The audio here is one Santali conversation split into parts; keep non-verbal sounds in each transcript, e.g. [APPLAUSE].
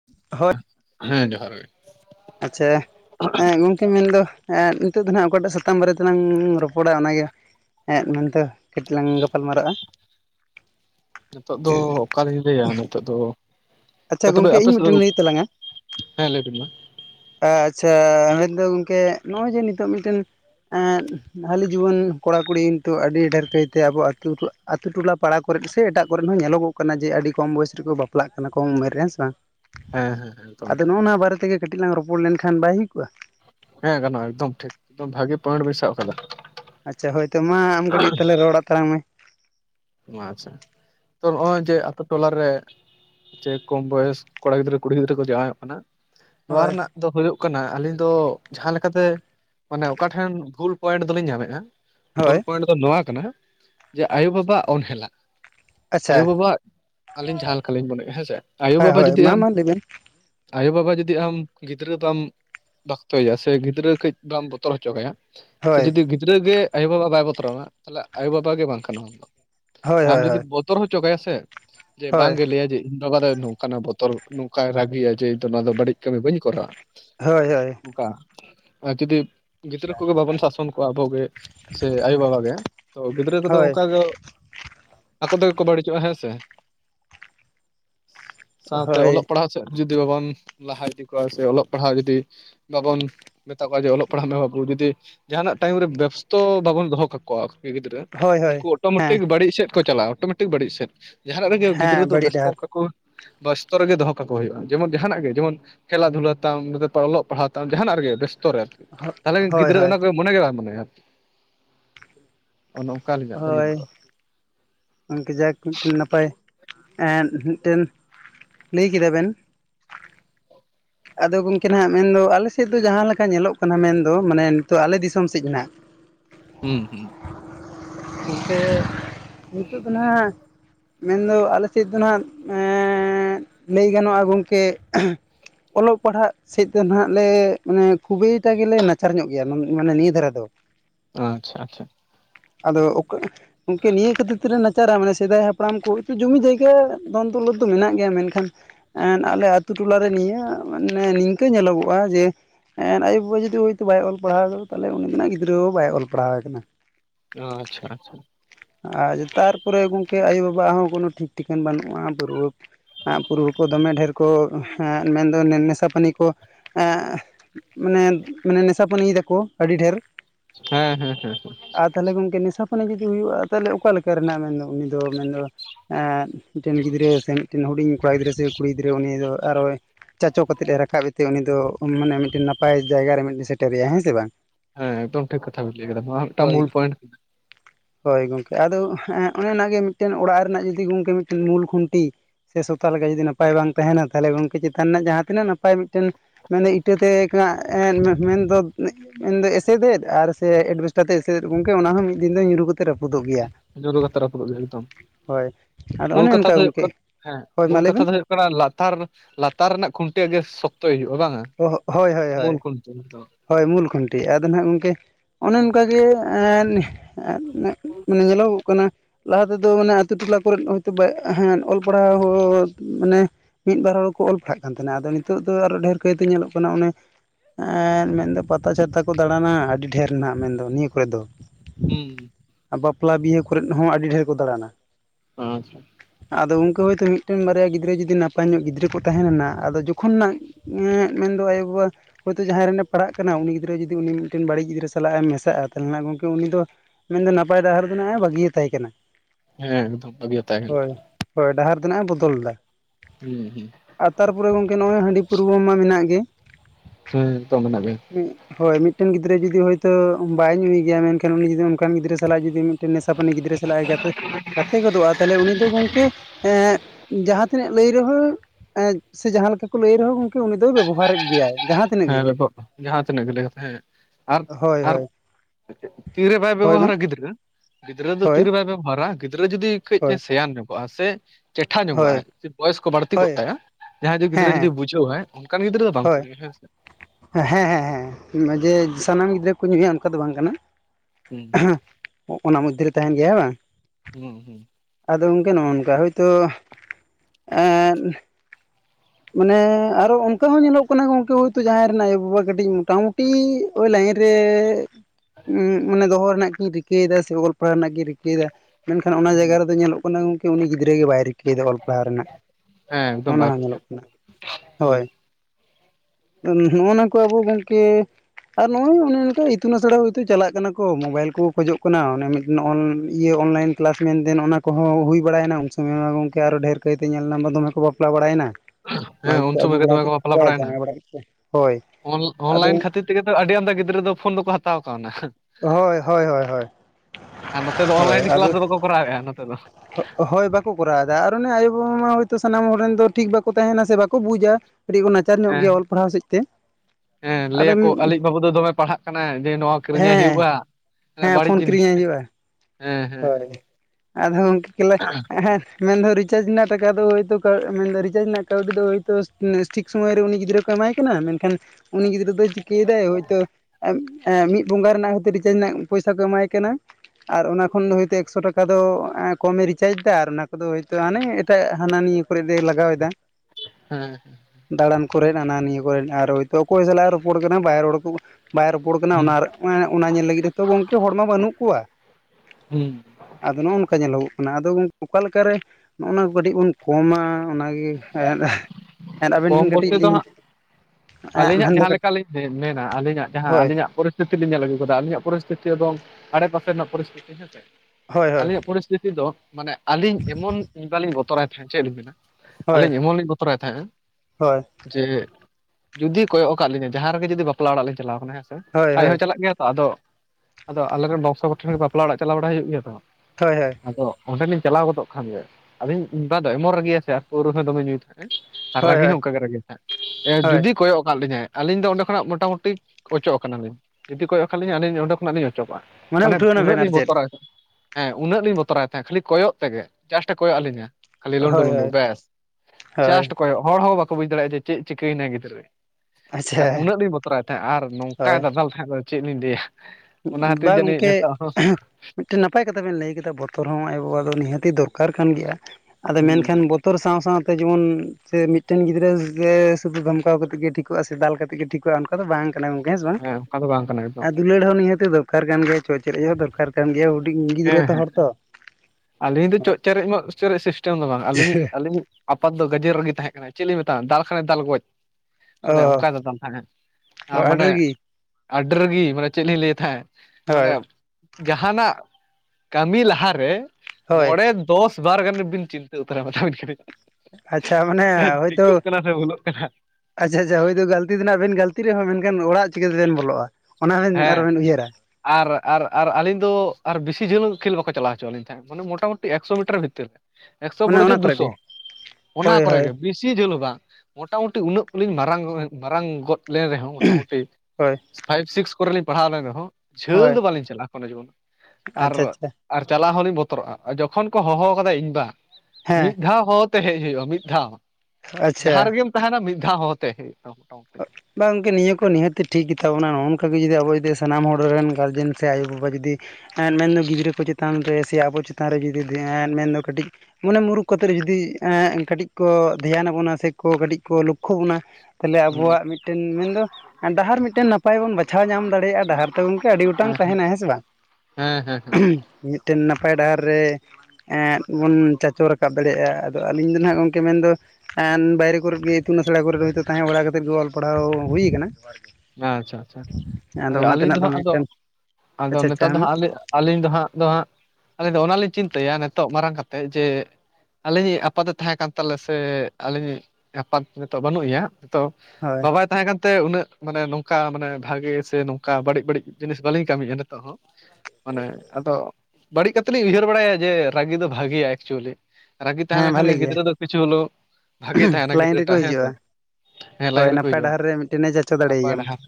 [UNINTELLIGIBLE] ᱦᱮᱸ, ᱡᱚᱦᱟᱨ ᱜᱮ᱾ ᱟᱪᱪᱷᱟ, ᱟ ᱜᱚᱢᱠᱮ ᱢᱮᱱ ᱫᱚ ᱮᱱ ᱱᱤᱛᱚᱜ ᱫᱚ ᱱᱟᱦᱟᱜ ᱚᱠᱟᱴᱟᱜ ᱥᱟᱛᱟᱢ ᱵᱟᱨᱮ ᱛᱮᱞᱟᱝ ᱨᱚᱯᱚᱲᱟ ᱚᱱᱟᱜᱮ ᱦᱮᱸ ᱢᱮᱱᱛᱮ ᱦᱤᱛ ᱞᱟᱝ ᱜᱟᱯᱟᱞ ᱢᱟᱨᱟᱜᱼᱟ᱾ ᱱᱤᱛᱳᱜ ᱫᱚ ᱚᱠᱟᱨᱤᱧ ᱞᱟᱹᱭᱟ ᱱᱤᱛᱳᱜ ᱫᱚ ᱟᱪᱪᱷᱟ ᱛᱚᱵᱮ ᱜᱚᱝᱠᱮ ᱟᱯᱮ ᱤᱧ ᱥᱮᱫ ᱫᱚ, ᱦᱮᱸ ᱞᱟᱹᱭ ᱵᱤᱱ ᱢᱟ᱾ ᱟ ᱟᱪᱪᱷᱟ ᱟᱵᱤᱱ ᱫᱚ ᱜᱚᱢᱠᱮ ᱱᱚᱜ-ᱚᱭ ᱡᱮ ᱱᱤᱛᱚᱜ ᱢᱤᱫᱴᱮᱱ ᱦᱟᱹᱞᱤ ᱡᱩᱣᱟᱹᱱ ᱠᱚᱲᱟ ᱠᱩᱲᱤ ᱱᱤᱛᱚᱜ ᱟᱹᱰᱤ ᱰᱷᱮᱨ ᱠᱟᱹᱭᱛᱮ ᱟᱵᱚ ᱟᱛᱩ ᱟᱛᱩ ᱴᱚᱞᱟ ᱯᱟᱲᱟ ᱠᱚᱨᱮ ᱥᱮ ᱮᱴᱟᱜ ᱠᱚᱨᱮᱱ ᱦᱚ ᱧᱮᱞᱚᱜᱚᱜ ᱠᱟᱱᱟ ᱡᱮ ᱟᱹᱰᱤ ᱠᱚᱢ ᱵᱚᱭᱮᱥ ᱨᱮᱠᱚ ᱵᱟᱯᱞᱟᱜ ᱠᱚᱢ ᱩᱢᱮᱨ ᱨᱮ ᱦᱮ ᱥᱮ ᱵᱟᱝ ᱦᱮᱸ ᱦᱮᱸ ᱮᱠᱫᱚᱢ ᱟᱫᱚ ᱴᱷᱤᱠ ᱱᱚᱜ-ᱚ ᱱᱚᱣᱟ ᱵᱟᱨᱮ ᱛᱮᱜᱮ ᱠᱟᱹᱴᱤᱡ ᱞᱟᱝ ᱨᱚᱯᱚᱲ ᱞᱮᱱᱠᱷᱟᱱ ᱵᱟᱭ ᱦᱩᱭ ᱠᱚᱜᱼᱟ? ᱦᱮᱸ ᱜᱟᱱᱚᱜ-ᱟ ᱮᱠᱫᱚᱢ ᱴᱷᱤᱠ ᱮᱠᱫᱚᱢ ᱵᱷᱟᱜᱮ ᱯᱚᱭᱮᱱᱴ ᱵᱤᱱ ᱥᱟᱵ ᱠᱟᱫᱟ᱾ ᱟᱪᱪᱷᱟ ᱦᱳᱭ ᱛᱳ ᱢᱟ ᱟᱢ ᱠᱟᱴᱤᱡ ᱛᱟᱦᱚᱞᱮ ᱨᱚᱲ ᱟᱛᱟᱞᱟᱝ ᱢᱮ᱾ ᱟᱪᱪᱷᱟ ᱛᱚ ᱱᱚᱜᱼᱚᱭ ᱡᱮ ᱟᱛᱳ ᱴᱚᱞᱟ ᱨᱮ ᱪᱮ ᱠᱚᱢ ᱵᱚᱭᱮᱥ ᱠᱚᱲᱟ ᱜᱤᱫᱽᱨᱟᱹ ᱠᱩᱲᱤ ᱜᱤᱫᱽᱨᱟᱹ ᱠᱚ ᱡᱟᱶᱟᱭᱚᱜ ᱠᱟᱱᱟ ᱱᱚᱣᱟ ᱦᱳᱭ ᱨᱮᱱᱟᱜ ᱫᱚ ᱦᱳᱭᱳᱜ ᱠᱟᱱᱟ ᱟᱞᱤᱧ ᱫᱚ ᱡᱟᱦᱟ ᱞᱮᱠᱟᱛᱮ ᱢᱟᱱᱮ ᱚᱠᱟ ᱴᱷᱮᱱ ᱵᱷᱩᱞ ᱯᱚᱭᱮᱱᱴ ᱫᱚᱞᱤᱧ ᱧᱟᱢ ᱮᱜᱼᱟ ᱵᱷᱩᱞ ᱦᱳᱭ ᱯᱚᱭᱮᱱᱴ ᱫᱚ ᱱᱚᱣᱟ ᱠᱟᱱᱟ ᱡᱮ ᱟᱭᱳ ᱵᱟᱵᱟ ᱚᱱᱦᱮᱞᱟ᱾ ᱟᱪᱪᱷᱟ ᱟᱭᱳ ᱵᱟᱵᱟ ᱟᱞᱤᱧ ᱡᱟᱦᱟ ᱞᱮᱠᱟ ᱞᱤᱧ ᱢᱚᱱᱮᱭᱮᱜ-ᱟ ᱦᱮᱸ ᱥᱮ ᱟᱭᱳ ᱦᱳᱭ ᱵᱟᱵᱟ ᱦᱳᱭ ᱡᱩᱫᱤ ᱢᱟ ᱟᱢ ᱢᱟ ᱞᱟᱹᱭ ᱵᱮᱱ ᱟᱭᱳ ᱵᱟᱵᱟ ᱡᱩᱫᱤ ᱟᱢ ᱜᱤᱫᱽᱨᱟᱹ ᱵᱟᱢ ᱵᱟᱠᱛᱚ ᱭᱮᱭᱟ ᱥᱮ ᱜᱤᱫᱽᱨᱟᱹ ᱠᱟᱹᱡ ᱵᱟᱢ ᱵᱚᱛᱚᱨ ᱦᱚᱪᱚ ᱠᱟᱭᱟ᱾ ᱥᱮ ᱦᱳᱭ ᱡᱩᱫᱤ ᱜᱤᱫᱽᱨᱟᱹ ᱜᱮ ᱟᱭᱳ ᱵᱟᱵᱟ ᱵᱟᱭ ᱵᱚᱛᱚᱨ ᱟᱢᱟ ᱛᱟᱦᱚᱞᱮ ᱟᱭᱳ ᱵᱟᱵᱟ ᱜᱮ ᱵᱟᱝ ᱠᱟᱱᱟᱢ᱾ ᱦᱳᱭ ᱟᱢ ᱦᱳᱭ ᱡᱩᱫᱤᱢ ᱵᱚᱛᱚᱨ ᱦᱚᱪᱚ ᱠᱟᱭᱟ ᱥᱮ ᱡᱮ ᱦᱳᱭ ᱵᱟᱝᱜᱮ ᱞᱟᱹᱭᱟᱭ ᱡᱮ ᱤᱧ ᱵᱟᱵᱟ ᱫᱚᱭ ᱱᱚᱝᱠᱟᱱᱟ ᱵᱚᱛᱚᱨ ᱱᱚᱝᱠᱟᱭ ᱨᱟᱹᱜᱤᱭᱟ ᱡᱮ ᱱᱚᱣᱟ ᱫᱚ ᱵᱟᱹᱲᱤᱡ ᱠᱟᱹᱢᱤ ᱵᱟᱹᱧ ᱠᱚᱨᱟᱣᱟ᱾ ᱦᱳᱭ ᱦᱳᱭ᱾ ᱵᱟ ᱟᱨ ᱡᱚᱫᱤ ᱜᱤᱫᱽᱨᱟᱹ ᱠᱚᱜᱮ ᱵᱟᱵᱚᱱ ᱥᱟᱥᱚᱱ ᱠᱚᱣᱟ ᱟᱵᱚᱜᱮ ᱥᱮ ᱟᱭᱳ ᱵᱟᱵᱟ ᱜᱮ ᱛᱚ ᱜᱤᱫᱽᱨᱟᱹ ᱠᱚᱫᱚ ᱦᱳᱭ ᱚᱱᱠᱟ ᱜᱮ ᱟᱠᱚ ᱛᱮᱠᱚ ᱵᱟᱹᱲᱤᱡᱚᱜᱼᱟ ᱦᱮ ᱥᱮ ᱥᱟᱶᱛᱮ ᱚᱞᱚᱜ ᱦᱳᱭ ᱯᱟᱲᱦᱟᱣ ᱪᱮᱱ ᱡᱩᱫᱤ ᱵᱟᱵᱚᱱ ᱞᱟᱦᱟ ᱤᱫᱤ ᱠᱚᱣᱟ ᱥᱮ ᱚᱞᱚᱜ ᱯᱟᱲᱦᱟᱣ ᱡᱩᱫᱤ ᱵᱟᱵᱚᱱ ᱢᱮᱛᱟᱜ ᱠᱚᱣᱟ ᱡᱮ ᱚᱞᱚᱜ ᱯᱟᱲᱦᱟᱣ ᱢᱮ ᱵᱟᱵᱩ ᱡᱩᱫᱤ ᱡᱟᱦᱟᱱᱟᱜ ᱴᱟᱭᱤᱢ ᱨᱮ ᱵᱮᱥᱛᱚ ᱵᱟᱵᱚᱱ ᱫᱚᱦᱚ ᱠᱟᱠᱚᱣᱟ ᱜᱤᱫᱽᱨᱟᱹ ᱦᱳᱭ ᱩᱱᱠᱩ ᱦᱳᱭ ᱚᱴᱚᱢᱮᱴᱤᱠ ᱦᱮᱸ ᱵᱟᱹᱲᱤᱡ ᱥᱮᱫ ᱠᱚ ᱪᱟᱞᱟᱜᱼᱟ ᱚᱴᱚᱢᱮᱴᱤᱠ ᱵᱟᱹᱲᱤᱡ ᱥᱮᱫ᱾ ᱡᱟᱦᱟᱱᱟᱜ ᱨᱮᱜᱮ ᱜᱤᱫᱽᱨᱟᱹ ᱦᱮᱸ ᱫᱚ ᱵᱟᱹᱲᱤᱡ ᱵᱮᱥᱛᱚ ᱰᱟᱦᱟᱨ ᱠᱟᱠᱚ ᱵᱮᱥᱛᱚ ᱨᱮᱜᱮ ᱫᱚᱦᱚ ᱠᱟᱠᱚ ᱦᱩᱭᱩᱜᱼᱟ, ᱡᱮᱢᱚᱱ ᱡᱟᱦᱟᱱᱟᱜ ᱜᱮ ᱡᱮᱢᱚᱱ ᱠᱷᱮᱞᱟ ᱫᱷᱩᱞᱟ ᱛᱟᱢ [UNINTELLIGIBLE] ᱚᱞᱚᱜ ᱯᱟᱲᱦᱟᱣ ᱛᱟᱢ ᱡᱟᱦᱟᱱᱟᱜ ᱨᱮᱜᱮ ᱵᱮᱥᱛᱚ ᱨᱮ᱾ ᱛᱟᱦᱚᱞᱮ ᱦᱳᱭ ᱜᱤᱫᱽᱨᱟᱹ ᱦᱳᱭ ᱚᱱᱟ ᱜᱮ ᱢᱚᱱᱮ ᱜᱮ ᱵᱟᱭ ᱢᱚᱱᱮᱭᱟ᱾ ᱚᱱᱚ ᱚᱱᱠᱟ ᱞᱮᱠᱟ ᱟᱞᱤᱧᱟᱜ ᱢᱮᱱ ᱫᱚ᱾ ᱜᱚᱝᱠᱮ ᱡᱟᱠ ᱢᱤᱫᱴᱮᱱ ᱱᱟᱯᱟᱭ ᱮᱱ ᱢᱤᱫᱴᱮᱱ ᱞᱟᱹᱭ ᱠᱮᱫᱟ ᱵᱮᱱ᱾ ᱟᱫᱚ ᱜᱚᱝᱠᱮ ᱱᱟᱦᱟᱜ ᱢᱮᱱ ᱫᱚ ᱟᱞᱮ ᱥᱮᱫ ᱫᱚ ᱡᱟᱦᱟ ᱞᱮᱠᱟ ᱧᱮᱞᱚᱜ ᱠᱟᱱᱟ ᱢᱮᱱ ᱫᱚ ᱢᱟᱱᱮ ᱱᱤᱛᱳᱜ ᱟᱞᱮ ᱫᱤᱥᱚᱢ ᱥᱮᱫ ᱨᱮᱱᱟᱜ ᱦᱩᱸ ᱦᱩᱸ᱾ ᱜᱚᱝᱠᱮ ᱱᱤᱛᱳᱜ ᱫᱚ ᱱᱟᱦᱟᱜ ᱢᱮᱱ ᱫᱚ ᱟᱞᱮ ᱥᱮᱫ ᱫᱚ ᱱᱟᱦᱟᱜ ᱮᱻ ᱞᱟᱹᱭ ᱜᱟᱱᱚᱜᱼᱟ ᱜᱚᱝᱠᱮ ᱚᱞᱚᱜ ᱯᱟᱲᱦᱟᱜ [INAUDIBLE] ᱞᱮ ᱢᱟᱱᱮ ᱠᱷᱩᱵᱤᱭ-ᱴᱟ ᱜᱮᱞᱮ ᱱᱟᱪᱟᱨ ᱧᱚᱜ ᱜᱮᱭᱟ ᱢᱟᱱᱮ ᱱᱤᱭᱟᱹ ᱫᱷᱟᱨᱮ ᱫᱚᱼᱼ ᱟᱪᱪᱷᱟ ᱟᱪᱪᱷᱟ ᱟᱫᱚ ᱟᱠᱟ ᱜᱚᱢᱠᱮ ᱱᱤᱭᱟᱹ ᱠᱷᱟᱹᱛᱤᱨ ᱛᱮᱞᱮ ᱪᱟᱨᱟ ᱢᱟᱱᱮ ᱥᱮᱫᱟᱭ ᱦᱟᱯᱲᱟᱢ ᱠᱚ ᱮ ᱡᱚᱢᱤ ᱡᱟᱭᱜᱟ ᱫᱚᱱ ᱫᱤᱞᱳᱛ ᱫᱚ ᱢᱮᱱᱟᱜ ᱜᱮᱭᱟ ᱢᱮᱱ ᱠᱷᱟᱱᱼᱼ ᱟᱞᱮ ᱟᱹᱛᱩ ᱴᱚᱞᱟᱨᱮ ᱱᱤᱭᱟᱹ ᱢᱟᱱᱮ ᱱᱤᱝᱠᱟᱹ ᱧᱮᱞᱚᱜᱼᱟ ᱡᱮᱼᱼ ᱟᱭᱳ ᱵᱟᱵᱟ ᱡᱩᱫᱤ ᱦᱳᱭᱛᱳ ᱵᱟᱭ ᱚᱞ ᱯᱟᱲᱦᱟᱣ ᱛᱟᱦᱚᱞᱮ ᱩᱱᱤ ᱜᱤᱫᱽᱨᱟᱹ ᱦᱚ ᱵᱟᱭ ᱚᱞ ᱯᱟᱲᱦᱟᱣ ᱟᱠᱟᱱᱟ᱾ ᱚ ᱟᱪᱪᱷᱟ ᱟᱪᱪᱷᱟ ᱟᱨ ᱛᱟᱨ ᱯᱚᱨᱮ ᱜᱚᱢᱠᱮ ᱟᱭᱳ ᱵᱟᱵᱟᱜ-ᱟ ᱦᱚ ᱠᱳᱱᱳ ᱴᱷᱤᱠ ᱴᱷᱤᱠᱟᱹᱱ ᱵᱟᱱᱩᱜᱼᱟ᱾ ᱯᱩᱨᱩ ᱼᱼ ᱫᱚᱢᱮ ᱰᱷᱮᱨ ᱠᱚ ᱢᱮᱱ ᱫᱚ ᱱᱮᱥᱟ ᱯᱟᱹᱱᱤ ᱠᱚᱼᱼ ᱢᱟᱱᱮ ᱢᱟᱱᱮ ᱱᱮᱥᱟ ᱯᱟ. ᱱᱤ ᱫᱟᱠᱚ ᱟᱹᱰᱤ ᱰᱷᱮᱨ ᱦᱮ ᱦᱮ ᱦᱮ ᱟᱨ ᱛᱟᱦᱚᱞᱮ ᱜᱚᱢᱠᱮ ᱱᱮᱥᱟ ᱯᱟᱹᱱᱤ ᱡᱩᱫᱤ ᱦᱩᱭᱩᱜᱼᱟ ᱛᱟᱦᱚᱞᱮ ᱚᱠᱟ ᱞᱮᱠᱟ ᱨᱮ ᱱᱟᱜ ᱢᱮᱱ ᱫᱚ ᱩᱱᱤ ᱫᱚ ᱢᱮᱱ ᱫᱚ ᱮ ᱢᱤᱫᱴᱮᱱ ᱜᱤᱫᱽᱨᱟᱹ ᱥᱮ ᱢᱤᱫᱴᱮᱱ ᱦᱩᱰᱤᱧ ᱠᱚᱲᱟ ᱜᱤᱫᱽᱨᱟᱹ ᱥᱮ ᱠᱩᱲᱤ ᱜᱤᱫᱽᱨᱟᱹ ᱩᱱᱤ ᱫᱚ ᱟᱨᱹᱹᱹ ᱪᱟᱪᱳ ᱠᱟᱛᱮᱫ ᱮ ᱨᱟᱠᱟᱵ ᱟᱛᱮ ᱩᱱᱤ ᱫᱚ ᱢᱟᱱᱮ ᱢᱤᱫᱴᱤᱱ ᱱᱟᱯᱟᱭ ᱡᱟᱭᱜᱟ ᱨᱮ ᱢᱤᱫᱴᱮᱱ ᱥᱮᱴᱮᱨ ᱮᱟᱭ ᱦᱮ ᱥᱮ ᱵᱟᱝ ᱦᱮ ᱮᱠᱫᱚᱢ ᱴᱷᱤᱠ ᱠᱟᱛᱷᱟ ᱵᱤᱱ ᱞᱟᱹᱭ ᱟᱠᱟᱫᱟ ᱱᱚᱣᱟ ᱢᱤᱫᱴᱟᱝ ᱦᱳᱭ ᱢᱩᱞ ᱯᱚᱭᱮᱱ ᱹᱹᱹ ᱦᱳᱭ ᱜᱚᱢᱠᱮ ᱟᱫᱚ ᱚᱱᱮ ᱚᱱᱟᱜ ᱜᱮ ᱢᱤᱫᱴᱮᱱ ᱚᱲᱟᱜ ᱨᱮᱱᱟᱜ ᱡᱩᱫᱤ ᱜᱚᱢᱠᱮ ᱢᱩᱞ ᱠᱷᱩᱱᱴᱤ ᱥᱮ ᱥᱚᱛᱛᱟ ᱞᱮᱠᱟ ᱡᱩᱫᱤ ᱱᱟᱯᱟᱭ ᱵᱟᱝ ᱛᱟᱦᱮᱸᱱᱟ ᱛᱟᱦᱚᱞᱮ ᱜᱚᱢᱠᱮ ᱪᱮᱛᱟᱱ ᱨᱮᱱᱟᱜ ᱡᱟᱦᱟᱸ ᱛᱤᱱᱟᱹᱜ ᱱᱟᱯᱟᱭ ᱢᱤᱫᱴᱮᱱ ᱢᱮᱱᱫᱚ ᱤᱴᱟᱹᱛᱮ [INAUDIBLE] ᱢᱮᱱᱫᱚ ᱤᱧᱫᱚ ᱮᱥᱮᱫᱮᱫ ᱟᱨ ᱥᱮ ᱮᱥᱯᱮᱥᱴᱟᱨ ᱛᱮ ᱮᱥᱮᱫ ᱜᱚᱝᱠᱮ ᱚᱱᱟ ᱦᱚᱸᱚᱸ ᱢᱤᱫ ᱫᱤᱱ ᱫᱚ ᱧᱩᱨᱩ ᱠᱟᱛᱮ ᱨᱟᱯᱩᱫ ᱧᱩᱨᱩ ᱨᱟᱹᱯᱩᱚᱜ ᱜᱮᱭᱟ ᱮᱠᱫᱚᱢ ᱦᱳᱭ ᱟᱫᱚ ᱢᱩᱞ ᱚᱱᱮ ᱠᱟᱛᱷᱟ ᱚᱱᱠᱟ ᱫᱚ ᱦᱩᱭᱩᱜ ᱜᱚᱢᱠᱮ ᱠᱟᱱᱟ ᱦᱮᱸ ᱦᱳᱭ ᱢᱟ ᱢᱩᱞ ᱞᱟᱹᱭᱵᱮᱱ ᱠᱟᱛᱷᱟ ᱫᱚ ᱦᱩᱭᱩᱜ ᱠᱟᱱᱟ ᱞᱟᱛᱟᱨ ᱞᱟᱛᱟᱨ ᱨᱮᱱᱟᱜ ᱠᱷᱩᱱᱴᱤᱟᱹ ᱜᱮ ᱥᱚᱠᱛᱚᱭ ᱦᱩᱭᱩᱜᱼᱟ ᱵᱟᱝᱟ᱾ ᱦᱳᱭ ᱦᱳᱭ ᱦᱳᱭ ᱢᱩᱞ ᱠᱷᱩᱱᱴᱤ ᱫᱚ ᱦᱳᱭ ᱢᱩᱞ ᱠᱷᱩᱱᱴᱤ ᱟᱫᱚ ᱦᱟᱜ ᱜᱚᱝᱠᱮ ᱚᱱᱮ ᱚᱱᱠᱟ ᱜᱮ ᱟᱨ ᱢᱟᱱ ᱧᱮᱞᱚᱜᱚᱜ ᱠᱟᱱᱟ ᱞᱟᱦᱟ ᱛᱮᱫᱚ ᱢᱟᱱᱮ ᱟᱛᱳ ᱴᱚᱞᱟ ᱠᱚᱨᱮᱫ ᱦᱚᱭᱛᱳ ᱚᱞ ᱯᱟᱲᱦᱟᱣ ᱦᱚᱸ ᱢᱟᱱᱮ ᱢᱤᱫ ᱵᱟᱨ ᱦᱚᱲ ᱠᱚ ᱚᱞ ᱯᱟᱲᱦᱟᱜ ᱠᱟᱱ ᱛᱟᱦᱮᱸ ᱛᱟᱦᱮᱱᱟ ᱟᱫᱚ ᱱᱤᱛᱚᱜ ᱫᱚ ᱟᱨᱚ ᱰᱷᱮᱨ ᱠᱟᱭᱛᱮ ᱧᱮᱞᱚᱜ ᱠᱟᱱᱟ ᱚᱱᱮ ᱮ ᱢᱮᱱᱫᱚ ᱯᱟᱛᱟ ᱪᱷᱟᱛᱟ ᱠᱚ ᱫᱟᱬᱟᱱᱟ ᱟᱹᱰᱤ ᱰᱷᱹᱮᱨ ᱦᱟᱜ ᱢᱮᱱᱫᱚ ᱱᱤᱭᱟᱹ ᱠᱚᱨᱮ ᱫᱚ ᱦᱩᱸ ᱟᱨ ᱵᱟᱯᱞᱟ ᱵᱤᱦᱟᱹ ᱠᱚᱨᱮᱫ ᱦᱚᱸ ᱟᱹᱰᱤ ᱰᱷᱮᱨ ᱠᱚ ᱫᱟᱬᱟᱱᱟ᱾ ᱟᱪᱪᱷᱟ ᱟᱫᱚ ᱩᱱᱠᱩ ᱦᱳᱭᱛᱳ ᱢᱤᱫᱴᱮᱱ ᱵᱟᱨᱭᱟ ᱜᱤᱫᱽᱨᱟᱹ ᱡᱩᱫᱤ ᱱᱟᱯᱟᱭ ᱧᱚᱜ ᱜᱤᱫᱽᱨᱟᱹ ᱠᱚ ᱛᱟᱦᱮᱸᱱᱟ ᱦᱟᱜ ᱟᱫᱚ ᱡᱚᱠᱷᱚᱱ ᱱᱟᱜ ᱤᱧᱟᱜ ᱢᱮᱱᱫᱚ ᱟᱭᱳᱼ ᱵᱟᱵᱟ ᱦᱳᱭᱛᱳ ᱡᱟᱦᱟᱸᱭ ᱨᱮᱱ ᱮ ᱯᱟᱲᱦᱟᱜ ᱠᱟᱱᱟ ᱩᱱᱤ ᱜᱤᱫᱽᱨᱟᱹ ᱡᱩᱫᱤ ᱩᱱᱤ ᱢᱤᱫᱴᱮᱱ ᱵᱟᱹᱲᱤᱡ ᱜᱤᱫᱽᱨᱟᱹ ᱥᱟᱞᱟᱜ ᱮ ᱢᱮᱥᱟᱜᱼᱟ ᱛᱟᱦᱮᱱᱟᱜ ᱜᱚᱢᱠᱮ ᱩᱱᱤ ᱫᱚ ᱢᱮᱱᱫᱚ ᱱᱟᱯᱟᱭ ᱰᱟᱦᱟᱨ ᱫᱚ ᱼ ᱱᱟᱜ ᱵᱟᱹᱜᱤᱭᱟ ᱛᱟᱭ ᱠᱟᱱᱟ᱾ ᱦᱮᱸ ᱮᱠᱫᱚᱢ ᱵᱟᱹᱜᱤ ᱡᱚᱛᱟ ᱠᱟᱱᱟ᱾ ᱦᱳᱭ ᱦᱳᱭ ᱰᱟᱦᱟᱨ ᱫᱚ ᱱᱟᱜ ᱵᱚᱫᱚᱞ ᱮᱫᱟ᱾ ᱦᱩᱸ ᱦᱩᱸ ᱟᱨ ᱛᱟᱨᱯᱚᱨᱮ ᱜᱚᱢᱠᱮ ᱱᱚᱜᱼᱚᱭ ᱦᱟᱺᱰᱤ ᱯᱟᱣᱨᱟᱹ ᱢᱟ ᱢᱮᱱᱟᱜ ᱜᱮ ᱦᱮᱸ ᱛᱚ ᱢᱮᱱᱟᱜ ᱜᱮ ᱦᱳᱭ ᱢᱤᱫᱴᱮᱱ ᱜᱤᱫᱽᱨᱟᱹ ᱡᱩᱫᱤ ᱦᱳᱭᱛᱳ ᱵᱟᱭ ᱧᱩᱭ ᱜᱮᱭᱟ ᱢᱮᱱᱠᱷᱟᱱ ᱩᱱᱤ ᱡᱩᱫᱤ ᱚᱱᱠᱟᱱ ᱜᱤᱫᱽᱨᱟᱹ ᱥᱟᱞᱟᱜ ᱡᱩᱫᱤ ᱢᱤᱫ ᱱᱮᱥᱟ ᱯᱟᱹᱱᱤ ᱜᱤᱫᱽᱨᱟᱹ ᱥᱟᱞᱟᱜ ᱮ ᱜᱟᱛᱮ ᱜᱟᱛᱮ ᱜᱚᱫᱚᱜᱼᱟ᱾ ᱛᱟᱦᱚᱞᱮ ᱩᱱᱤ ᱫᱚ ᱜᱚᱢᱠᱮ ᱮ ᱡᱟᱦᱟᱸ ᱛᱤᱱᱟᱹᱜ ᱞᱟᱹᱭ ᱨᱮᱦᱚᱸ ᱥᱮ ᱡᱟᱦᱟᱸ ᱞᱮᱠᱟ ᱠᱚ ᱞᱟᱹᱭ ᱨᱮᱦᱚᱸ ᱜᱚᱝᱠᱮ ᱩᱱᱤ ᱫᱚᱚᱭ ᱵᱮᱵᱚᱦᱟᱨᱮᱫ ᱜᱮᱭᱟᱭ ᱡᱟᱦᱟᱸ ᱛᱤᱱᱟᱹᱜ ᱜᱮ ᱦᱮᱸ ᱵᱮᱯᱚᱜ ᱡᱟᱦᱟᱸ ᱛᱤᱱᱟᱹᱜ ᱜᱮ ᱞᱟᱹᱭ ᱠᱟᱛᱮ ᱦᱮᱸ ᱟᱨ ᱦᱳᱭ ᱟᱨ ᱦᱳᱭ ᱛᱤ ᱨᱮ ᱵᱟᱭ ᱦᱳᱭ ᱢᱟ ᱵᱮᱵᱚᱦᱟᱨᱟ ᱜᱤᱫᱽᱨᱟᱹ ᱜᱤᱫᱽᱨᱟᱹ ᱫᱚ ᱛᱤ ᱦᱳᱭ ᱨᱮ ᱵᱟᱭ ᱵᱮᱵᱚᱦᱟᱨᱟ ᱜᱤᱫᱽᱨᱟᱹ ᱡᱩᱫᱤ ᱠᱟᱹᱡ ᱮ ᱦᱳᱭ ᱥᱮᱭᱟᱱ ᱧᱚᱜᱚᱜᱼᱟ ᱥᱮ ᱪᱮᱴᱷᱟ ᱧᱚᱜᱼ ᱦᱳᱭ ᱟᱭ ᱥᱮ ᱵᱚᱭᱮᱥ ᱠᱚ ᱵᱟᱲᱛᱤ ᱦᱳᱭ ᱠᱚᱜ ᱛᱟᱭᱟ ᱡᱟᱦᱟᱸᱭ ᱦᱮᱸ ᱜᱤᱫᱽᱨᱟᱹ ᱦᱮᱸ ᱡᱩᱫᱤ ᱵᱩᱡᱷᱟᱹᱣ ᱟᱭ ᱚᱱᱠᱟᱱ ᱜᱤᱫᱽᱨᱟᱹ ᱫᱚ ᱵᱟᱝ ᱠᱚ ᱦᱳᱭ ᱧᱩᱭᱼᱟ ᱦᱮᱸ ᱥᱮ ᱦᱮᱸ ᱦᱮᱸ ᱦᱮᱸ ᱡᱮ ᱥᱟᱱᱟᱢ ᱜᱤᱫᱽᱨᱟᱹ ᱠᱚ ᱧᱩᱭᱟ ᱚᱱᱠᱟ ᱫᱚ ᱵᱟᱝ ᱠᱟᱱᱟ ᱦᱩᱸ ᱦᱩᱸ ᱚᱱᱟ ᱢᱚᱫᱽᱫᱷᱮ ᱨᱮ ᱛᱟᱦᱮᱸᱱ ᱜᱮᱭᱟ ᱦᱮᱸ ᱵᱟᱝ? ᱦᱩᱸ ᱦᱩᱸ ᱟᱫᱚ ᱜᱚᱝᱠᱮ ᱱᱚᱜ-ᱱᱚᱝᱠᱟ ᱦᱳᱭᱛᱳ ᱮᱸ ᱢᱟᱱᱮ ᱟᱨᱚ ᱚᱱᱠᱟ ᱦᱚᱸ ᱧᱮᱞᱚᱜ ᱠᱟᱱᱟ ᱜᱚᱝᱠᱮ ᱦᱳᱭᱛᱳ ᱡᱟᱦᱟᱸᱭ ᱨᱮᱱᱟᱜ ᱟᱭᱳ ᱵᱟᱵᱟ ᱠᱟᱹᱴᱤᱡ ᱢᱚᱴᱟᱢᱩᱴᱤ ᱳᱭ ᱞᱟᱭᱤᱱ ᱨᱮ ᱩ ᱢᱟᱱᱮ ᱫᱚᱦᱚ ᱨᱮᱱᱟᱜ ᱠᱤᱱ ᱨᱤᱠᱟᱹᱭᱫᱟ ᱥᱮ ᱚᱞ ᱯᱟᱲᱦᱟᱣ ᱨᱮᱱᱟᱜ ᱠᱤᱱ ᱨᱤᱠᱟᱹᱭᱫᱟ ᱢᱮᱱᱠᱷᱟᱱ ᱚᱱᱟ ᱡᱟᱭᱜᱟ ᱨᱮᱫᱚ ᱧᱮᱞᱚᱜ ᱠᱟᱱᱟ ᱜᱚᱝᱠᱮ ᱩᱱᱤ ᱜᱤᱫᱽᱨᱟᱹ ᱜᱮ ᱵᱟᱭ ᱨᱤᱠᱟᱹᱭᱫᱟ ᱚᱞ ᱯᱟᱲᱦᱟᱣ ᱨᱮᱱᱟᱜ ᱦᱮᱸ ᱮᱠᱫᱚᱢ ᱵᱟᱭ ᱱᱚ-ᱱᱚᱣᱟ ᱨᱩᱠᱷᱤᱭᱟᱹ ᱧᱮᱞᱚᱜ ᱦᱩᱸ ᱦᱳᱭ, ᱱᱚᱜᱼᱚ ᱱᱚᱣᱟ ᱠᱚ ᱟᱵᱚ ᱜᱚᱝᱠᱮ ᱟᱨ ᱱᱚᱜᱼᱚᱭ ᱚᱱᱮ ᱚᱱᱠᱟ ᱤᱛᱩᱱ ᱟᱥᱲᱟ ᱦᱚᱭᱛᱳ ᱪᱟᱞᱟᱜ ᱠᱟᱱᱟ ᱠᱚ ᱢᱳᱵᱟᱭᱤᱞ ᱠᱚᱠᱚ ᱠᱷᱚᱡᱚᱜ ᱠᱟᱱᱟ ᱚᱱᱮ ᱢᱤᱫᱴᱮᱱ ᱚᱱ ᱤᱭᱟᱹ ᱚᱱᱞᱟᱭᱤᱱ ᱠᱮᱞᱟᱥ ᱢᱮᱱᱛᱮᱱ ᱚᱱᱟ ᱠᱚᱦᱚᱸ ᱦᱩᱭ ᱵᱟᱲᱟᱭᱱᱟ ᱩᱱ ᱥᱚᱢᱚᱭ ᱢᱟ ᱜᱚᱢᱠᱮ ᱟᱨ ᱰᱷᱮᱨ ᱠᱟᱭᱛᱮ ᱧᱮᱞᱱᱟ ᱫᱚᱢᱮ ᱠᱚ ᱵᱟᱯᱞᱟ ᱵᱟᱲᱟᱭᱱᱟ ᱦᱮᱸ ᱩᱱ ᱥᱚᱢᱚᱭ ᱜᱮ ᱫᱚᱢᱮ ᱠᱚ ᱵᱟᱯᱞᱟ ᱵᱟᱲᱟᱭᱱᱟ, ᱡᱟᱶᱟᱭ ᱵᱟᱲᱟ ᱠᱮᱫ ᱠᱚᱣᱟ ᱦᱳᱭ ᱚᱱ ᱟᱫᱚ ᱚᱱᱞᱟᱭᱤᱱ ᱠᱷᱟᱹᱛᱤᱨ ᱛᱮᱜᱮ ᱛᱚ ᱟᱹᱰᱤ ᱟᱢᱫᱟ ᱜᱤᱫᱽᱨᱟᱹ ᱫᱚ ᱯᱷᱳᱱ ᱫᱚᱠᱚ ᱦᱟᱛᱟᱣ ᱠᱟᱣᱱᱟ ᱦᱳᱭ ᱦᱳᱭ ᱦᱳᱭ ᱦᱳᱭ ᱟᱨ ᱱᱚᱛᱮ ᱫᱚ ᱦᱳᱭ ᱚᱱᱞᱟᱭᱤᱱ ᱠᱞᱟᱥ ᱟᱫᱚ ᱫᱚ ᱵᱟᱠᱚ ᱠᱚᱨᱟᱣᱮᱫᱼᱟ, ᱱᱚᱛᱮ ᱫᱚ ᱦᱳᱭ ᱵᱟᱠᱚ ᱠᱚᱨᱟᱣᱫᱟ ᱟᱨ ᱚᱱᱮ ᱟᱭᱳ ᱵᱟᱵᱟ ᱢᱟ ᱦᱚᱭᱛᱳ ᱥᱟᱱᱟᱢ ᱦᱚᱲ ᱨᱮᱱ ᱫᱚ ᱴᱷᱤᱠ ᱵᱟᱠᱚ ᱛᱟᱦᱮᱸᱱᱟ ᱥᱮ ᱵᱟᱠᱚ ᱵᱩᱡᱟ ᱠᱟᱹᱴᱤᱡ ᱠᱚ ᱱᱟᱪᱟᱨ ᱧᱚᱜ ᱦᱮᱸ ᱜᱮᱭᱟ ᱚᱞ ᱯᱟᱲᱦᱟᱣ ᱥᱮᱫ ᱛᱮ, ᱦᱮᱸ ᱟᱫᱚ ᱞᱟᱹᱭᱟᱠᱚ ᱟᱹᱞᱤᱡ ᱵᱟᱹᱵᱩ ᱫᱚ ᱫᱚᱢᱮ ᱯᱟᱲᱦᱟᱜ ᱠᱟᱱᱟᱭ ᱡᱮ ᱱᱚᱣᱟ ᱠᱤᱨᱤᱧᱟᱭ ᱦᱮᱸ ᱦᱩᱭᱩᱜᱼᱟ ᱦᱮᱸ ᱵᱟᱹᱲᱤᱡ ᱯᱷᱳᱱ ᱡᱤᱱᱤᱥ ᱠᱤᱨᱤᱧᱟᱭ ᱦᱮᱸ ᱦᱩᱭᱩᱜᱼᱟ, ᱦᱮᱸ ᱦᱮᱸ ᱦᱳᱭ ᱟᱫᱚ ᱜᱚᱢᱠᱮ [UNINTELLIGIBLE] ᱢᱮᱱᱫᱚ ᱨᱤᱪᱟᱨᱡᱽ ᱨᱮᱱᱟᱜ ᱴᱟᱠᱟ ᱫᱚ ᱦᱤᱭᱛᱳ, ᱢᱮᱱᱫᱚ ᱨᱤᱪᱟᱨᱡᱽ ᱨᱮᱱᱟᱜ ᱠᱟᱹᱣᱰᱤ ᱫᱚ ᱦᱳᱭᱛᱳ ᱴᱷᱤᱠ ᱥᱚᱢᱚᱭ ᱨᱮ ᱩᱱᱤ ᱜᱤᱫᱽᱨᱟᱹ ᱠᱚ ᱮᱢᱟᱭ ᱠᱟᱱᱟ ᱢᱮᱱᱠᱷᱟᱱ ᱩᱱᱤ ᱜᱤᱫᱽᱨᱟᱹ ᱫᱚᱭ ᱪᱤᱠᱟᱹᱭ ᱫᱟᱭ ᱦᱚᱭ ᱛᱚ ᱮᱸ ᱢᱤᱫ ᱵᱚᱸᱜᱟ ᱨᱮᱱᱟᱜ [UNINTELLIGIBLE] ᱨᱤᱪᱟᱨᱡᱽ ᱨᱮᱱᱟᱜ ᱯᱚᱭᱥᱟ ᱠᱚ ᱮᱢᱟᱭ ᱠᱟᱱᱟ ᱟᱨ ᱚᱱᱟ ᱠᱷᱚᱱ ᱫᱚ ᱦᱚᱭᱛᱳ ᱮᱠᱥᱚ ᱴᱟᱠᱟ ᱫᱚ ᱠᱚᱢᱮ ᱨᱤᱪᱟᱨᱡᱽᱫᱟ ᱟᱨ ᱚᱱᱟ ᱠᱚᱫᱚ ᱦᱚᱭᱛᱳ ᱦᱟᱱᱮ ᱮᱴᱟᱜ ᱦᱟᱱᱟ ᱱᱤᱭᱟᱹ ᱠᱚᱛᱮᱫ ᱮ ᱞᱟᱜᱟᱣᱫᱟ ᱦᱮᱸ ᱦᱮᱸ ᱫᱟᱬᱟᱱ ᱠᱚᱨᱮ ᱦᱟᱱᱟ ᱱᱤᱭᱟᱹ ᱠᱚᱨᱮ ᱟᱨ ᱦᱚᱭᱛᱳ ᱚᱠᱚᱭ ᱥᱟᱞᱟᱜ ᱨᱚᱯᱚᱲ ᱠᱟᱱᱟ ᱵᱟᱭ ᱨᱚᱲ ᱠᱚ ᱵᱟᱭ ᱨᱚᱯᱚᱲ ᱠᱟᱱᱟ ᱚᱱᱟ ᱚᱱᱟ ᱧᱮᱞ ᱞᱟᱹᱜᱤᱫ ᱦᱚᱛᱚ ᱜᱚᱢᱠᱮ ᱦᱚᱲᱢᱟ ᱵᱟᱹᱱᱩᱜ ᱠᱚᱣᱟ ᱦᱩᱸ ᱟᱫᱚ ᱱᱚᱜ-ᱚ ᱱᱚᱝᱠᱟ ᱧᱮᱞᱚᱜᱚᱜ ᱠᱟᱱᱟ ᱟᱫᱚ [INAUDIBLE] ᱚᱠᱟ ᱞᱮᱠᱟᱨᱮ ᱱᱚᱜ-ᱚ ᱱᱚᱣᱟ ᱠᱟᱹᱴᱤᱡ ᱵᱚᱱ ᱠᱚᱢᱟ ᱚᱱᱟᱜᱮ [UNINTELLIGIBLE] ᱠᱚᱢ ᱠᱟᱹᱴᱤᱡ ᱵᱚᱞᱛᱮ ᱫᱚ ᱞᱤᱧ ᱦᱟᱸᱜ ᱟᱹᱞᱤᱧᱟᱜ ᱢᱮᱱᱫᱚ ᱡᱟᱦᱟᱸ ᱠᱟᱹᱴᱤᱡ ᱞᱮᱠᱟ ᱞᱤᱧ ᱢᱮᱱᱟ ᱟᱹᱞᱤᱧᱟᱜ ᱡᱟᱦᱟᱸ ᱦᱳᱭ ᱟᱹᱞᱤᱧ ᱟᱜ ᱯᱚᱨᱤᱥ ᱯᱚᱨᱤᱥᱛᱷᱤᱛᱤᱧ ᱧᱮᱞ ᱟᱹᱜᱩ ᱠᱟᱫᱟ ᱟᱞᱤᱧᱟᱜ ᱯᱚᱨᱤᱥᱛᱷᱤᱛᱤ ᱟᱫᱚ ᱟᱲᱮ ᱯᱟᱥᱮ ᱨᱮᱱᱟᱜ ᱯᱚᱨᱤᱥᱛᱷᱤᱛᱤ ᱦᱮᱸᱥᱮ ᱦᱳᱭ ᱦᱳᱭ ᱟᱹᱞᱤᱧᱟᱜ ᱯᱚᱨᱤᱥᱛᱷᱤᱛᱤ ᱯᱚᱨᱤᱥᱛᱤᱛᱷᱤ ᱫᱚ ᱢᱟᱱᱮ ᱟᱹᱞᱤᱧ ᱮᱢᱚᱱ ᱤᱧ ᱵᱟ ᱞᱤᱧ ᱵᱚᱛᱚᱨᱟᱭ ᱛᱟᱦᱮᱸᱫ ᱪᱮᱫ ᱞᱤᱧ ᱢᱮᱱᱟ ᱦᱳᱭ ᱟᱞᱤᱧ ᱮᱢᱚᱱ ᱞᱤᱧ ᱵᱚᱛ ᱵᱚᱛᱚᱨᱟᱭ ᱛᱟᱦᱮᱼᱟ ᱦᱳᱭ ᱡᱮ ᱡᱩᱫᱤ ᱠᱚᱭᱚᱜ ᱠᱟᱫ ᱞᱤᱧᱟᱹ ᱡᱟᱦᱟᱸ ᱨᱮᱜᱮ ᱡᱩᱫᱤ ᱵᱟᱯᱞᱟ ᱚᱲᱟᱜ ᱞᱤᱧ ᱪᱟᱞᱟᱣ ᱠᱟᱱᱟ ᱦᱮᱸᱥᱮ ᱦᱳᱭ ᱦᱳᱭ ᱟᱡ ᱦᱳᱭ ᱦᱚᱸ ᱪᱟᱞᱟᱜ ᱜᱮᱭᱟ [UNINTELLIGIBLE] ᱟᱫᱚ, ᱟᱫᱚ ᱟᱞᱮ ᱨᱮᱱ ᱵᱚᱝᱥᱚ ᱠᱚᱴᱷᱮᱱ ᱜᱮ ᱵᱟᱯᱞᱟ ᱚᱲᱟᱜ ᱪᱟᱞᱟᱣ ᱵᱟᱲᱟ ᱦᱩᱭᱩᱜ ᱜᱮᱭᱟ ᱛᱚ ᱦᱳᱭ ᱦᱳᱭ ᱟᱫᱚ ᱚᱸᱰᱮ ᱞᱤᱧ ᱪᱟᱞᱟᱣ ᱜᱚᱫᱚᱜ ᱠᱷᱟᱱ ᱜᱮ ᱟᱞᱤᱧ ᱤᱧ ᱵᱟ ᱫᱚ ᱮᱢᱚᱱ ᱨᱟᱹᱜᱤᱭᱟ ᱥᱮ ᱟᱨ ᱯᱟᱹᱣᱨᱟᱹ ᱦᱚᱸ ᱫᱚᱢᱮ ᱧᱩᱭ ᱛᱟᱦᱮᱸᱜᱼᱮᱸ ᱟᱨ ᱦᱳᱭ ᱨᱟᱜᱤ ᱦᱳᱭ ᱦᱚᱸ ᱚᱱᱠᱟ ᱜᱮ ᱨᱟᱜᱤ [UNINTELLIGIBLE] ᱮ ᱦᱳᱭ ᱡᱩᱫᱤ ᱠᱚᱭᱚᱜ ᱠᱟᱫ ᱞᱤᱧᱟᱭ ᱟᱹᱞᱤᱧ ᱫᱚ ᱚᱸᱰᱮ ᱠᱷᱚᱱᱟᱜ ᱢᱚᱴᱟᱢᱩᱴᱤ ᱚᱪᱚᱜ ᱠᱟᱱᱟ ᱞᱤᱧ ᱡᱩᱫᱤ ᱠᱚᱭᱚᱜ ᱠᱟᱜ ᱞᱤᱧᱟ ᱟᱹᱞᱤᱧ ᱚᱸᱰᱮ ᱠᱷᱚᱱ ᱞᱤᱧ ᱚᱪᱚᱜᱚᱜ-ᱟ ᱢᱟᱱᱮ ᱩᱴᱷᱟᱹᱣ ᱩᱱᱟᱹᱜ ᱱᱟᱵᱮᱱ ᱟᱨ ᱞᱤᱧ ᱪᱮᱫ ᱵᱚᱛᱚᱨᱟᱭ ᱦᱮᱸ ᱩᱱᱟᱹᱜ ᱞᱤᱧ ᱵᱚᱛᱚᱨᱟᱭ ᱛᱟᱦᱮᱸᱫ, ᱠᱷᱟᱹᱞᱤ ᱠᱚᱭᱚᱜ ᱛᱮᱜᱮ ᱡᱟᱥᱴᱮ ᱠᱚᱭᱚᱜ ᱟᱹᱞᱤᱧᱟ ᱠᱷᱟᱹᱞᱤ ᱞᱩᱰᱩ ᱦᱳᱭ ᱞᱩᱰᱩ ᱦᱳᱭ ᱵᱮᱥ ᱦᱳᱭ ᱡᱟᱥᱴ ᱠᱚᱭᱚᱜ ᱦᱚᱲ ᱦᱚᱸ ᱵᱟᱠᱚ ᱵᱩᱡᱽ ᱫᱟᱲᱮᱭᱟᱜ-ᱟ ᱡᱮ ᱪᱮᱫ ᱮ ᱪᱤᱠᱟᱹᱭ ᱮᱱᱟᱭ ᱜᱤᱫᱽᱨᱟᱹᱭ᱾ ᱟᱪᱪᱷᱟ ᱟᱨ ᱩᱱᱟᱹᱜ ᱞᱤᱧ ᱵᱚᱛᱚᱨᱟᱭ ᱛᱟᱦᱮᱸᱫ ᱟᱨ ᱱᱚᱝᱠᱟᱭ ᱫᱟᱫᱟᱞ ᱛᱟᱦᱮᱸᱫ ᱫᱚ ᱪᱮᱫ ᱞᱤᱧ ᱞᱟᱹᱭᱟ ᱚᱱᱟ ᱠᱷᱟᱹᱛᱤᱨ ᱵᱟᱝ ᱡᱟᱹᱱᱤᱡ ᱜᱚᱢᱠᱮ ᱱᱤᱛᱚᱜ ᱦᱚᱸ ᱢᱤᱫᱴᱮᱱ ᱱᱟᱯᱟᱭ ᱠᱟᱛᱷᱟ ᱵᱮᱱ ᱞᱟᱹᱭ ᱠᱮᱫᱟ ᱵᱚᱛᱚᱨ ᱦᱚᱸ ᱟᱭᱳ ᱵᱟᱵᱟ ᱫᱚ ᱱᱤᱦᱟᱹᱛᱤ ᱫᱚᱨᱠᱟᱨ ᱠᱟᱱ ᱜᱮᱭᱟ ᱟᱫᱚ ᱦᱩᱸ ᱢᱮᱱᱠᱷᱟᱱ ᱵᱚ ᱵᱚᱛᱚᱨ ᱥᱟᱶᱼᱥᱟᱶᱛᱮ ᱡᱮᱢᱚᱱ ᱢᱤᱫᱴᱮᱱ ᱜᱤᱫᱽᱨᱟᱹ ᱥᱩᱫᱷᱩ ᱫᱷᱚᱢᱠᱟᱣ ᱠᱟᱛᱮᱜ ᱜᱮ ᱴᱷᱤᱠ ᱴᱷᱤᱠᱚᱜ ᱟᱥᱮ ᱫᱟᱞ ᱠᱟᱛᱮ ᱜᱮ ᱴᱷᱤᱠᱚᱜ-ᱟ ᱚᱱᱠᱟ ᱫᱚ ᱵᱟᱝ ᱠᱟᱱᱟ ᱜᱚᱝᱠᱮ ᱦᱮᱸ ᱥᱮ ᱵᱟᱝ? ᱚᱱᱠᱟ ᱫᱚ ᱵᱟᱝ ᱠᱟᱱᱟ ᱮᱠᱫᱚᱢ ᱟᱰᱤ ᱫᱩᱞᱟᱹᱲ ᱦᱚᱸ ᱱᱤᱦᱟᱹᱛ ᱫᱚᱨᱠᱟᱨ ᱠᱟᱱ ᱜᱮᱭᱟ ᱪᱚ ᱪᱮᱨᱮᱪ ᱦᱚᱸ ᱫᱚᱨᱠᱟᱨ ᱠᱟᱱ ᱜᱮᱭᱟ ᱦᱩᱰᱤᱧ ᱜᱤᱫᱽᱨᱟᱹ ᱦᱮᱸ ᱛᱚ ᱦᱮᱸ ᱦᱚᱲ ᱛᱚ, ᱟᱹᱞᱤᱧ ᱫᱚ ᱪᱚᱜ ᱪᱮᱨᱮᱡ ᱢᱚᱜ ᱪᱮᱨᱮᱡ ᱥᱤᱥᱴᱮᱢ ᱫᱚ ᱵᱟᱝ ᱟᱹᱞᱤᱧ ᱤᱡ ᱟᱹᱞᱤᱧ ᱤᱡ ᱟᱯᱟᱛ ᱫᱚ ᱜᱟᱡᱮ ᱨᱟᱹᱜᱤ ᱛᱟᱦᱮᱸ ᱠᱟᱱᱟ ᱪᱮᱫ ᱞᱤᱧ ᱢᱮᱛᱟᱜ-ᱟ ᱫᱟᱞ ᱠᱷᱟᱱᱮ ᱫᱟᱞ ᱜᱚᱡ, ᱚᱱᱮ ᱚᱝᱠᱟ ᱚ ᱫᱟᱫᱟᱞ ᱛᱟᱦᱮᱸ ᱟ ᱟᱹᱰᱤ ᱢᱟᱱᱮ ᱨᱟᱹᱜᱤ ᱟᱹᱰᱤ ᱨᱟᱹᱜᱤ ᱢᱟᱱᱮ ᱪᱮᱫ ᱞᱤᱧ ᱞᱟᱹᱭ ᱛᱟᱦᱮᱸᱫ ᱢᱟᱱᱮ ᱦᱳᱭ ᱡᱟᱦᱟᱸᱱᱟᱜ ᱠᱟᱹᱢᱤ ᱞᱟᱦᱟᱨᱮ ᱦᱳᱭ ᱢᱚᱬᱮ ᱫᱚᱥ ᱵᱟᱨ ᱜᱟᱱ ᱵᱤᱱ ᱪᱤᱱᱛᱟᱹ ᱩᱛᱟᱹᱨᱟ ᱢᱮᱛᱟᱵᱤᱱ ᱠᱟᱹᱱᱤᱧ᱾ ᱟᱪᱪᱷᱟ ᱢᱟᱱᱮ ᱦᱳᱭᱛᱳ ᱵᱷᱩᱞᱚᱜ ᱠᱟᱱᱟ ᱟᱪᱪᱷᱟ ᱪᱷᱟ ᱦᱳᱭ ᱫᱚ ᱜᱟᱹᱞᱛᱤ ᱛᱮᱱᱟᱜ ᱵᱮᱱ ᱜᱟᱹᱞᱛᱤ ᱨᱮᱦᱚᱸ ᱢᱮᱱᱠᱷᱟᱱ ᱚᱲᱟᱜ ᱪᱤᱠᱟᱹᱛᱮᱵᱮᱱ ᱵᱚᱞᱚᱜᱼᱟ? ᱚᱱᱟ ᱵᱮᱱ ᱦᱮᱸ ᱟᱨᱚ ᱵᱮᱱ ᱩᱭᱦᱟᱹᱨᱟ? ᱟᱨ ᱟᱨ ᱟᱨ ᱟᱹᱞᱤᱧ ᱫᱚ ᱟᱨ ᱵᱮᱥᱤ ᱡᱷᱟᱹᱞ ᱠᱷᱮᱞ ᱵᱟᱠᱚ ᱪᱟᱞᱟᱣ ᱦᱚᱪᱚᱣᱟ ᱞᱤᱧ ᱛᱟᱦᱮᱸᱫ᱾ ᱢᱟᱱᱮ ᱢᱳᱴᱟᱢᱴᱤ ᱮᱠᱥᱚ ᱢᱤᱴᱟᱨ ᱵᱷᱤᱛᱤᱨ ᱨᱮ ᱮᱠᱥᱚ ᱚᱱᱮ ᱵᱚᱲᱚ ᱡᱳᱨ ᱚᱱᱟ ᱠᱚᱨᱮ ᱫᱩᱥᱚ ᱜᱮ ᱦᱳᱭ ᱚᱱᱟ ᱠᱚᱨᱮ ᱦᱳᱭ ᱜᱮ ᱵᱤᱥᱤ ᱡᱷᱟᱹᱞ ᱦᱚᱸ ᱵᱟᱝ ᱢᱚᱴᱟᱢᱩᱴᱤ ᱩᱱᱟᱹᱜ ᱠᱚᱞᱤᱧ ᱢᱟᱨᱟᱝ ᱢᱟᱨᱟᱝ ᱜᱚᱫ ᱞᱮᱱ ᱨᱮᱦᱚᱸ ᱢᱚᱴᱟᱢᱩᱴᱤ ᱦᱳᱭ ᱯᱷᱟᱭᱤᱵᱽ ᱥᱤᱠᱥ ᱠᱚᱨᱮ ᱞᱤᱧ ᱯᱟᱲᱦᱟᱣ ᱞᱮᱱ ᱨᱮᱦᱚᱸ ᱡᱷᱟᱹᱞ ᱦᱳᱭ ᱫᱚ ᱵᱟᱹᱞᱤᱧ ᱪᱟᱞᱟᱜᱼᱟ ᱠᱳᱱᱳ ᱡᱤᱵᱚᱱ ᱟᱨ ᱟᱪᱪᱷᱟ ᱟᱪᱪᱷᱟ ᱟᱨ ᱪᱟᱞᱟᱣ ᱦᱚᱸᱞᱤᱧ ᱵᱚᱛᱚᱨᱚᱜᱼᱟ, ᱡᱚᱠᱷᱚᱱ ᱠᱚ ᱦᱚᱦᱚ ᱠᱟᱫᱟ ᱤᱧ ᱵᱟ ᱦᱮᱸ ᱢᱤᱫ ᱫᱷᱟᱣ ᱦᱚᱦᱚ ᱛᱮ ᱦᱮᱡ ᱦᱩᱭᱩᱜᱼᱟ ᱢᱤᱫ ᱫᱷᱟᱣ ᱟᱪᱪᱷᱟ ᱡᱟᱦᱟᱸ ᱨᱮᱜᱮᱢ ᱛᱟᱦᱮᱸᱱᱟ ᱢᱤᱫ ᱫᱷᱟᱣ ᱦᱚᱦᱚ ᱛᱮ ᱦᱮᱡ ᱦᱩᱭᱩᱜᱼᱟ ᱛᱟᱢᱟ ᱢᱚᱴᱟᱢᱩᱴᱤ᱾ ᱵᱟᱝ ᱜᱚᱝᱠᱮ ᱱᱤᱭᱟᱹ ᱠᱚ ᱱᱤᱦᱟᱹᱛᱤ ᱴᱷᱤᱠ ᱜᱮᱛᱟ ᱵᱚᱱᱟ ᱱᱚᱜ-ᱚ ᱱᱚᱝᱠᱟ ᱜᱮ ᱡᱩᱫᱤ ᱟᱵᱚ ᱡᱩᱫᱤ ᱥᱟᱱᱟᱢ ᱦᱚᱲ ᱨᱮᱱ ᱜᱟᱨᱡᱮᱱ ᱥᱮ ᱟᱭᱳᱼᱵᱟᱵᱟ ᱡᱩᱫᱤ ᱮᱸ ᱢᱮᱱᱫᱚ ᱜᱤᱫᱽᱨᱟᱹ ᱠᱚ ᱪᱮᱛᱟᱱ ᱨᱮ ᱥᱮ ᱟᱵᱚ ᱪᱮᱛᱟᱱ ᱨᱮ ᱡᱩᱫᱤ ᱢᱮᱱᱫᱚ ᱠᱟᱹᱴᱤᱡ ᱢᱟᱱᱮ ᱢᱩᱨᱩᱠ ᱠᱟᱛᱮᱫ ᱨᱮ ᱡᱩᱫᱤ ᱮ ᱠᱟᱹᱴᱤᱡ ᱠᱚ ᱫᱷᱮᱭᱟᱱ ᱟᱵᱚᱱᱟ ᱥᱮ ᱠᱚ ᱠᱟᱹᱴᱤᱡ ᱠᱚ ᱞᱚᱠᱠᱷᱳ ᱵᱚᱱᱟ ᱛᱟᱦᱞᱮ ᱦᱩᱸ ᱟᱵᱚᱣᱟᱜ ᱢᱤᱫᱴᱮᱱ ᱢᱮᱱᱫᱚ ᱰᱟᱦᱟᱨ ᱢᱤᱫᱴᱮᱱ ᱱᱟᱯᱟᱭ ᱵᱚᱱ ᱵᱟᱪᱷᱟᱣ ᱧᱟᱢ ᱫᱟᱲᱮᱭᱟᱜ-ᱟ ᱰᱟᱦᱟᱨ ᱛᱚ ᱜᱚᱝᱠᱮ ᱟᱹᱰᱤ ᱜᱚᱴᱟᱝ ᱛᱟᱦᱮᱱᱟ ᱦᱮᱸ ᱥᱮ ᱵᱟᱝ? ᱦᱮᱸ ᱦᱮᱸ ᱦᱮᱸ᱾ ᱢᱤᱫᱴᱮᱱ ᱱᱟᱯᱟᱭ ᱰᱟᱦᱟᱨ ᱨᱮ ᱮᱸᱫ ᱵᱚᱱ ᱪᱟᱪᱳ ᱨᱟᱠᱟᱵ ᱫᱟᱲᱮᱭᱟᱜᱼᱟ ᱾ ᱟᱫᱚ ᱟᱹᱞᱤᱧ ᱫᱚ ᱱᱟᱦᱟᱸᱜ ᱜᱚᱢᱠᱮ ᱢᱮᱱᱫᱚ ᱮᱸᱱ ᱵᱟᱭᱨᱮ ᱠᱚᱨᱮᱫ ᱜᱮ ᱤᱛᱩᱱ ᱟᱥᱲᱟ ᱠᱚᱨᱮ ᱜᱮ ᱦᱳᱭᱛᱳ ᱛᱟᱦᱮᱸ ᱵᱟᱲᱟ ᱠᱟᱛᱮᱫ ᱜᱮ ᱚᱞ ᱯᱟᱲᱦᱟᱣ ᱦᱩᱭ ᱠᱟᱱᱟ ᱾ ᱟᱪᱪᱷᱟ ᱟᱪᱪᱷᱟ, ᱟᱹᱞᱤᱧ ᱫᱚ ᱦᱟᱸᱜ ᱟᱫᱚ ᱟᱫᱚ ᱟᱪᱪᱷᱟ ᱟᱪᱪᱷᱟ ᱱᱮᱛᱟᱨ ᱦᱮᱸ ᱫᱚ ᱢᱟ ᱦᱟᱸᱜ ᱟᱞᱮ ᱟᱹᱞᱤᱧ ᱫᱚ ᱦᱟᱸᱜ ᱫᱚ ᱦᱟᱸᱜ ᱟᱹᱞᱤᱧ ᱫᱚ ᱚᱱᱟ ᱞᱤᱧ ᱪᱤᱱᱛᱟᱹᱭᱟ ᱱᱤᱛᱚᱜ ᱢᱟᱨᱟᱝ ᱠᱟᱛᱮᱜ ᱡᱮ ᱟᱹᱞᱤᱧ ᱤᱡ ᱟᱯᱟᱛ ᱮ ᱛᱟᱦᱮᱸ ᱠᱟᱱ ᱛᱟᱞᱮᱭᱟ ᱥᱮ ᱟᱹᱞᱤᱧ ᱤᱡ ᱟᱯᱟᱛ ᱱᱤᱛᱚᱜ ᱵᱟᱹᱱᱩᱜ ᱮᱭᱟ ᱛᱚ ᱦᱳᱭ ᱵᱟᱵᱟᱭ ᱛᱟᱦᱮᱸ ᱠᱟᱱᱛᱮ ᱩᱱᱟᱹᱜ ᱢᱟᱱᱮ ᱱᱚᱝᱠᱟ ᱢᱟᱱᱮ ᱵᱷᱟᱜᱮ ᱥᱮ ᱱᱚᱝᱠᱟ ᱵᱟᱹᱲᱤᱡ ᱵᱟᱹᱲᱤᱡ ᱡᱤᱱᱤᱥ ᱵᱟᱹᱞᱤᱧ ᱠᱟᱹᱢᱤᱭᱟ ᱱᱤᱛᱚᱜ ᱦᱚᱸ ᱾ ᱢᱟᱱᱮ ᱟᱫᱚ ᱵᱟᱹᱲᱤᱡ ᱠᱟᱛᱮ ᱞᱤᱧ ᱩᱭᱦᱟᱹᱨ ᱵᱟᱲᱟᱭᱟ ᱡᱮ ᱨᱟᱹᱜᱤ ᱫᱚ ᱵᱷᱟᱜᱮᱭᱟ ᱮᱠᱪᱩᱭᱮᱞᱤ ᱾ ᱨᱟᱹᱜᱤ ᱛᱟᱦᱮᱸ ᱦᱮᱸ ᱞᱮᱱ ᱠᱷᱟᱱ ᱵᱷᱟᱞᱮ ᱜᱮ ᱜᱮᱭᱟ ᱜᱤᱫᱽᱨᱟᱹ ᱫᱚ ᱠᱤᱪᱷᱩ ᱦᱳᱞᱳ ᱵᱷᱟᱜᱮ ᱛᱟᱦᱮᱸᱱᱟ ᱞᱟᱭᱤᱱ ᱜᱤᱫᱽᱨᱟᱹ ᱨᱮᱠᱚ ᱴᱟᱜ ᱦᱮᱸᱥᱮ? ᱦᱤᱡᱩᱜᱼᱟ ᱦᱳᱭ ᱱᱟᱯᱟᱭ ᱰᱟᱦᱟᱨ ᱨᱮ ᱢᱤᱫ ᱴᱮᱱ ᱡᱟ ᱯᱟᱲᱦᱟᱣ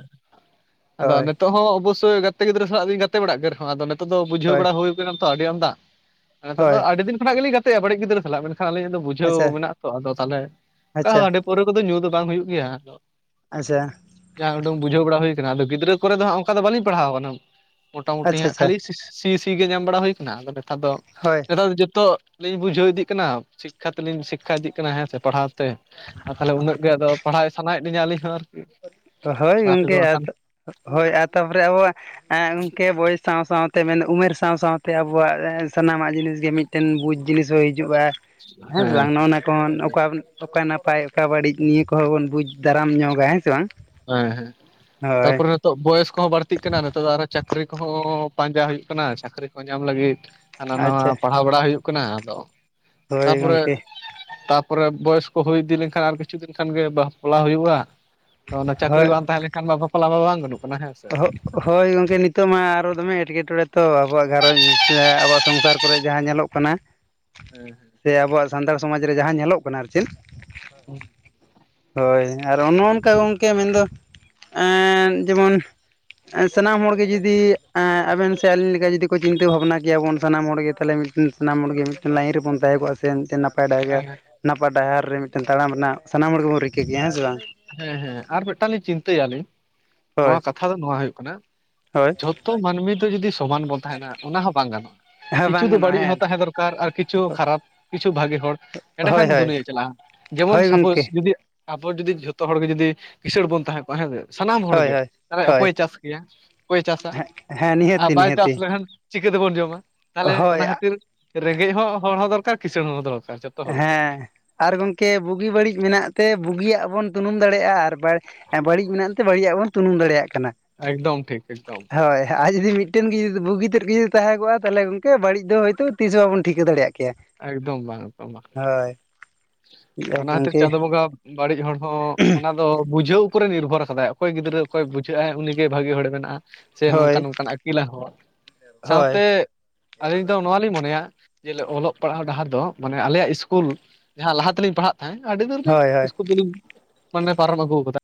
ᱟᱫᱚ ᱱᱤᱛᱚᱜ ᱦᱚᱸ ᱚᱵᱚᱥᱥᱳᱭ ᱜᱟᱛᱮ ᱜᱤᱫᱽᱨᱟᱹ ᱥᱟᱞᱟᱜ ᱞᱤᱧ ᱜᱟᱛᱮ ᱵᱲᱟᱲᱜ ᱜᱮ ᱨᱮᱦᱚᱸ ᱟᱫᱚ ᱱᱤᱛᱜ ᱫᱚ ᱵᱩᱡᱷᱟᱹᱣ ᱦᱳᱭ ᱵᱟᱲᱟ ᱦᱩᱭ ᱱᱟ ᱛᱚ ᱟᱹᱰᱤ ᱟᱢᱫᱟ ᱱᱤᱛᱚᱜ ᱫᱚ ᱦᱳᱭ ᱟᱹᱰᱤ ᱫᱤᱱ ᱠᱷᱚᱱᱟᱜ ᱜᱮ ᱞᱤᱧ ᱜᱟᱛᱮᱜᱼᱟ ᱵᱟᱹᱲᱤᱡ ᱜᱤᱫᱽᱨᱟᱹ ᱥᱟᱞᱟᱜ ᱢᱮᱱᱠᱷᱟᱱ ᱟᱹᱞᱤᱧᱟᱜ ᱫᱚᱼᱼ ᱵᱩᱡᱷᱟᱹᱣ ᱟᱪᱪᱷᱟ ᱢᱮᱱᱟᱜᱼᱟ ᱛᱚ ᱟᱫᱚ ᱛᱟᱦᱞᱮ ᱚᱝᱠᱟ ᱟᱪᱪᱷᱟ ᱦᱟᱸᱰᱤ ᱯᱟᱹᱣᱨᱟᱹ ᱠᱚᱫᱚ ᱧᱩ ᱫᱚ ᱵᱟᱝ ᱦᱩᱭᱩᱜ ᱜᱮᱭᱟ, ᱟᱫᱚ ᱟᱪᱷᱟ ᱡᱟ ᱩᱰᱟᱹᱝ ᱵᱩᱡᱷᱟᱹᱣ ᱵᱟᱲᱟ ᱦᱩᱭ ᱠᱟᱱᱟ ᱟᱫᱚ ᱜᱤᱫᱽᱨᱟᱹ ᱠᱚᱨᱮ ᱫᱚ ᱦᱟᱸᱜ ᱚᱝᱠᱟ ᱫᱚ ᱵᱟᱹᱞᱤᱧ ᱯᱟᱲᱦᱟᱣ ᱠᱟᱱᱟ, ᱢᱚᱴᱟᱢᱩᱴᱤ ᱟᱪᱪᱷᱟ ᱦᱟᱸᱜ ᱟᱪᱪᱷᱟ ᱠᱷᱟᱹᱞᱤ ᱥᱤᱠᱥ ᱥᱤ ᱥᱤ ᱜᱮ ᱧᱟᱢ ᱵᱟᱲᱟ ᱦᱩᱭ ᱠᱟᱱᱟ ᱟᱫᱚ ᱱᱮᱛᱟᱨ ᱫᱚ ᱦᱳᱭ ᱱᱮᱛᱟᱨ ᱫᱚ ᱡᱚᱛᱚᱼᱼ ᱞᱤᱧ ᱵᱩᱡᱷᱟᱹᱣ ᱤᱫᱤᱜ ᱠᱟᱱᱟ ᱥᱤᱠᱠᱷᱟ ᱛᱮᱞᱤᱧ ᱥᱤᱠᱠᱷᱟ ᱤᱫᱤᱜ ᱠᱟᱱᱟ ᱦᱮᱸᱥᱮ ᱯᱟᱲᱦᱟᱣ ᱛᱮ ᱛᱟᱦᱞᱮ ᱩᱱᱟᱹᱜ ᱜᱮ ᱟᱫᱚᱼᱼ ᱯᱟᱲᱦᱟᱭ ᱥᱟᱱᱟᱭᱮᱫ ᱞᱤᱧᱟᱹ ᱟᱹᱞᱤᱧ ᱦᱚᱸ ᱟᱨᱠᱤ᱾ ᱦᱳᱭ ᱞᱟᱦᱟ ᱛᱮᱫᱚ ᱜᱚᱝᱠᱮ ᱵᱟᱝᱠᱷᱟᱱ ᱦᱳᱭ ᱟᱨ ᱛᱟᱯᱚᱨᱮ ᱟᱵᱚᱣᱟᱜᱼᱼ ᱮᱸ ᱜᱚᱢᱠᱮ ᱵᱳᱭᱮ ᱥᱟᱶ ᱥᱟᱶᱛᱮ ᱢᱮᱱ ᱫᱚ ᱩᱢᱮᱨ ᱥᱟᱶ ᱥᱟᱶᱛᱮ ᱟᱵᱚᱣᱟᱜ ᱥᱟᱱᱟᱢᱟᱜ ᱡᱤᱱᱤᱥᱼᱼ ᱜᱮ ᱢᱤᱫᱴᱮᱱ ᱵᱩᱡᱽ ᱡᱤᱱᱤᱥ ᱦᱚᱸ ᱦᱤᱡᱩᱜᱼᱟ ᱦᱮᱸ ᱥᱮ ᱵᱟᱝ ᱱᱚᱜᱼᱚᱱᱟ ᱠᱚᱦᱚᱸ ᱱᱚᱝᱠᱟᱼᱼ ᱚᱠᱟ ᱱᱟᱯᱟᱭ ᱚᱠᱟ ᱵᱟᱹᱲᱤᱡ ᱱᱤᱭᱟᱹ ᱠᱚᱦᱚᱸ ᱵᱚᱱ ᱵᱩᱡᱽ ᱫᱟᱨᱟᱢ ᱧᱚᱜᱟ ᱦᱮᱸ ᱥᱮ ᱵᱟᱝ? ᱦᱮᱸ ᱦᱮᱸ ᱦᱳᱭ ᱛᱟᱨᱯᱚᱨᱮᱼᱼ ᱱᱤᱛᱚᱜ ᱵᱚᱭᱚᱥ ᱠᱚᱦᱚᱸ ᱵᱟᱹᱲᱛᱤᱜ ᱠᱟᱱᱟ ᱱᱤᱛᱚᱜ ᱫᱚ ᱟᱨᱚ ᱪᱟᱹᱠᱨᱤ ᱠᱚᱦᱚᱸ ᱯᱟᱸᱡᱟ ᱦᱩᱭᱩᱜ ᱠᱟᱱᱟ ᱪᱟᱹᱠᱨᱤ ᱠᱚ ᱧᱟᱢ ᱞᱟᱹᱜᱤᱫ ᱾ ᱦᱟᱱᱟ ᱱᱟᱣᱟ ᱟᱪᱪᱷᱟ ᱯᱟᱲᱦᱟᱣ ᱵᱟᱲᱟ ᱦᱩᱭᱩᱜ ᱠᱟᱱᱟ ᱟᱫᱚ ᱦᱳᱭ ᱛᱟᱯᱚᱨᱮᱼᱼ ᱜᱚᱝᱠᱮ ᱛᱟᱨᱯᱚᱨᱮ ᱵᱚᱭᱮᱥ ᱠᱚ ᱠᱚ ᱦᱩᱭ ᱤᱫᱤ ᱞᱮᱱ ᱠᱷᱟᱱ ᱟᱨ ᱠᱤᱪᱷᱩ ᱫᱤᱱ ᱠᱷᱟᱱ ᱜᱮ ᱵᱟᱯᱞᱟ ᱦᱩᱭᱩᱜᱼᱟ ᱾ ᱛᱚ ᱚᱱᱟ ᱪᱟᱹᱠᱨᱤ ᱦᱳᱭ ᱵᱟᱝ ᱛᱟᱦᱮᱸ ᱞᱮᱱ ᱠᱷᱟᱱ ᱢᱟ ᱵᱟᱯᱞᱟ ᱢᱟ ᱵᱟᱝ ᱜᱟᱱᱚᱜ ᱠᱟᱱᱟ ᱦᱮᱸ ᱥᱮ ᱾ ᱦᱳᱭ ᱜᱚᱝᱠᱮ ᱱᱤᱛᱚᱜ ᱢᱟ ᱟᱨᱚ ᱫᱚᱢᱮ ᱮᱴᱠᱮ ᱴᱚᱬᱮᱸ ᱛᱚ ᱟᱵᱚᱣᱟᱜ ᱜᱷᱟᱨᱚᱸᱡᱽ ᱥᱮ ᱟᱵᱚᱣᱟᱜ ᱥᱚᱝᱥᱟᱨ ᱠᱚᱨᱮ ᱡᱟᱦᱟᱸ ᱧᱮᱞᱚᱜ ᱠᱟᱱᱟ ᱾ ᱦᱩᱸ [INAUDIBLE] ᱥᱮ ᱟᱵᱚᱣᱟᱜ ᱥᱟᱱᱛᱟᱲ ᱥᱚᱢᱟᱡᱽ ᱨᱮ ᱡᱟᱦᱟᱸ ᱧᱮᱞᱚᱜ ᱠᱟᱱᱟ ᱟᱨ ᱪᱮᱫᱼᱼ ᱦᱩᱸ [INAUDIBLE] ᱦᱳᱭ ᱟᱨ ᱚᱱᱮ ᱚᱱᱠᱟ ᱜᱚᱢᱠᱮ ᱢᱮᱱᱫᱚ ᱡᱮᱢᱚᱱᱼᱼ ᱥᱟᱱᱟᱢ ᱦᱚᱲᱜᱮ ᱡᱩᱫᱤ ᱟᱵᱮᱱ ᱥᱮ ᱟᱹᱞᱤᱧ ᱞᱮᱠᱟ ᱡᱩᱫᱤ ᱠᱚ ᱪᱤᱱᱛᱟᱹ ᱵᱷᱟᱵᱱᱟ ᱠᱮᱭᱟ ᱵᱚᱱ ᱥᱟᱱᱟᱢ ᱦᱚᱲᱜᱮ ᱛᱟᱦᱚᱞᱮ ᱢᱤᱫᱴᱤᱱᱼᱼ ᱥᱟᱱᱟᱢ ᱦᱚᱲᱜᱮ ᱢᱤᱫᱴᱮᱱ ᱞᱟᱭᱤᱱ ᱨᱮᱵᱚᱱ ᱛᱟᱦᱮᱸ ᱠᱚᱜ ᱥᱮ ᱢᱤᱫᱴᱮᱱ ᱱᱟᱯᱼᱼ ᱱᱟᱯᱟᱭ ᱦᱮᱸ ᱰᱟᱭᱜᱟ ᱦᱮᱸ ᱱᱟᱯᱟᱭ ᱰᱟᱦᱟᱨ ᱨᱮ ᱢᱤᱫᱴᱮᱱ ᱛᱟᱲᱟᱢ ᱨᱮᱱᱟᱜ ᱥᱟᱱᱟᱢ ᱦᱚᱲ ᱜᱮ ᱵᱚᱱ ᱨᱤᱠᱟᱹ ᱠᱮᱭᱟ ᱦᱮᱸ ᱥᱮ ᱵᱟᱝ ᱾ ᱦᱮᱸ ᱦᱮᱸ ᱟᱨ ᱢᱤᱫᱴᱟᱝ ᱞᱤᱧ ᱪᱤᱱᱛᱟᱹᱭᱟ ᱟᱹᱞᱤᱧ ᱦᱳᱭ ᱱᱚᱣᱟ ᱠᱟᱛᱷᱟ ᱫᱚ ᱱᱚᱣᱟ ᱦᱩᱭᱩᱜ ᱠᱟᱱᱟᱼᱼ ᱦᱳᱭ ᱡᱷᱚᱛᱚ ᱢᱟᱹᱱᱢᱤ ᱫᱚ ᱡᱩᱫᱤ ᱥᱚᱢᱟᱱ ᱵᱚᱱ ᱛᱟᱦᱮᱸᱱᱟ ᱚᱱᱟ ᱦᱚᱸ ᱵᱟᱝ ᱜᱟᱱᱚᱜᱼᱟ ᱾ ᱦᱮᱸ ᱵᱟᱝ ᱠᱤᱪᱷᱩ ᱫᱚ ᱜᱟᱱᱚᱜᱼᱟ ᱵᱟᱹᱲᱤᱡ ᱦᱚᱸ ᱦᱮᱸ ᱛᱟᱦᱮᱸ ᱫᱚᱨᱠᱟᱨ ᱟᱨ ᱠᱤᱪᱷᱩ ᱦᱚ ᱠᱷᱟᱨᱟᱯ ᱠᱤᱪᱷᱩ ᱵᱷᱟᱜᱤ ᱦᱚᱲ ᱦᱳᱭ ᱮᱸᱰᱮᱠᱷᱟᱱ ᱦᱳᱭ ᱫᱩᱱᱭᱟᱹᱭ ᱪᱟᱞᱟᱜᱼᱟ ᱾ ᱡᱮᱢᱚᱱ ᱦᱳᱭ ᱥᱟᱯᱳᱡ ᱜᱚᱢᱠᱮ ᱡᱩᱫᱤ ᱟᱵᱚ ᱡᱩᱫᱤ ᱡᱷᱚᱛᱚ ᱦᱚᱲ ᱜᱮ ᱡᱩᱫᱤ ᱠᱤᱥᱟᱹᱬ ᱵᱚᱱ ᱛᱟᱦᱮᱸ ᱠᱚᱜᱼᱟ ᱦᱮᱸ ᱥᱮᱼᱼ ᱥᱟᱱᱟᱢ ᱦᱚᱲ ᱦᱳᱭ ᱜᱮ ᱦᱳᱭ ᱦᱳᱭ ᱚᱠᱚᱭ ᱪᱟᱥ ᱠᱮᱭᱟ ᱚᱠᱚᱭ ᱪᱟᱥᱟ ᱦᱮᱸ ᱟᱨ ᱱᱤᱦᱟᱹᱛᱤ ᱵᱟᱭ ᱪᱟᱥ ᱱᱤᱦᱟᱹᱛᱤ ᱞᱮᱠᱷᱟᱱᱼᱼ ᱪᱤᱠᱟᱹ ᱛᱮᱵᱚᱱ ᱡᱚᱢᱟ ᱛᱟᱦᱞᱮ ᱦᱳᱭ ᱚᱱᱟ ᱠᱷᱟᱹᱛᱤᱨ ᱨᱮᱸᱜᱮᱡ ᱦᱚᱸ ᱦᱚᱲ ᱦᱚᱸ ᱫᱚᱨᱠᱟᱨ ᱠᱤᱟᱹᱬ ᱦᱚᱸ ᱫᱚᱨᱠᱟᱨ ᱫᱚᱨᱠᱟᱨ ᱾ ᱦᱮᱸ ᱟᱨ ᱜᱚᱝᱠᱮ ᱵᱩᱜᱤ ᱵᱟᱹᱲᱤᱡ ᱢᱮᱱᱟᱜ ᱛᱮ ᱵᱩᱜᱤᱭᱟᱜ ᱵᱚᱱ ᱛᱩᱱᱩᱢ ᱫᱟᱲᱮᱭᱟᱜᱼᱟ ᱟᱨᱼᱼ ᱵᱟᱹᱲᱤᱡ ᱢᱮᱱᱟᱜ ᱛᱮ ᱵᱟᱹᱲᱤᱡ ᱟᱜ ᱵᱚᱱ ᱛᱩᱱᱩᱢ ᱫᱟᱲᱮᱭᱟᱜ ᱠᱟᱱᱟ ᱾ ᱮᱠᱫᱚᱢ ᱴᱷᱤᱠ ᱮᱠᱫᱚᱢ᱾ ᱦᱳᱭ ᱟᱨ ᱡᱩᱫᱤ ᱢᱤᱫᱴᱮᱱ ᱜᱮ ᱵᱩᱜᱤ ᱛᱮᱫ ᱜᱮ ᱡᱩᱫᱤ ᱛᱟᱦᱮᱸ ᱠᱚᱜᱼᱟ ᱛᱟᱦᱚᱞᱮ ᱜᱚᱢᱠᱮ ᱵᱟᱹᱲᱤᱡ ᱫᱚ ᱦᱳᱭᱛᱳ ᱛᱤᱥ ᱵᱟᱵᱚᱱ ᱴᱷᱤᱠᱟᱹ ᱫᱟᱲᱮᱭᱟᱜ ᱠᱮᱭᱟ ᱾ ᱮᱠᱫᱚᱢ ᱵᱟᱝ ᱮᱫᱚᱢ ᱵᱟᱝ᱾ ᱦᱳᱭ᱾ ᱚᱱᱟ ᱠᱷᱟᱹᱛᱤᱨ ᱜᱚᱝᱠᱮ ᱪᱟᱸᱫ ᱵᱚᱸᱜᱟ ᱵᱟᱹᱲᱤᱡ ᱦᱚᱲ ᱦᱚᱸ ᱚᱱᱟᱼᱼ ᱟᱫᱚ ᱵᱩᱡᱷᱟᱹᱣ ᱩᱯᱟᱨᱮᱭ ᱱᱤᱨᱵᱷᱚᱨ ᱠᱟᱫᱟᱭ ᱚᱠᱚᱭ ᱜᱤᱫᱽᱨᱟᱹ ᱚᱠᱚᱭ ᱵᱩᱡᱷᱟᱹᱜᱼᱟ ᱟᱭ ᱩᱱᱤᱜᱮ ᱵᱷᱟᱹᱜᱤ ᱦᱚᱲᱮ ᱵᱮᱱᱟᱜᱼᱟ᱾ ᱥᱮ ᱦᱳᱭ ᱱᱚᱝᱠᱟᱱ ᱱᱚᱝᱠᱟᱱ ᱟᱹᱠᱤᱞᱟ ᱦᱚᱲ ᱦᱳᱭ ᱥᱟᱶᱛᱮ᱾ ᱟᱹᱞᱤᱧ ᱫᱚ ᱱᱚᱣᱟ ᱞᱤᱧ ᱢᱚᱱᱮᱭᱟ ᱡᱮ ᱚᱞᱚᱜ ᱯᱟᱲᱦᱟᱣ ᱰᱟᱦᱟᱨ ᱫᱚ ᱢᱟᱱᱮ ᱟᱞᱮᱭᱟᱜ ᱤᱥᱠᱩᱞᱼᱼ ᱡᱟᱦᱟᱸ ᱞᱟᱦᱟ ᱛᱮᱞᱤᱧ ᱯᱟᱲᱦᱟᱜ ᱛᱟᱦᱮᱸᱫ ᱟᱹᱰᱤ ᱫᱤᱱ ᱨᱮ ᱞᱤᱧ ᱦᱳᱭ ᱦᱳᱭ ᱤᱥᱠᱩᱞ ᱫᱚᱞᱤᱧ ᱢᱟᱱᱮ ᱯᱟᱨᱚᱢ ᱟᱹᱜᱩ ᱟᱠᱟᱫᱟ᱾